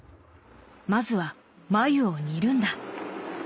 まずは繭を煮るんだ。